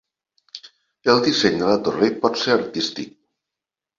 El disseny de la torre pot ser artístic.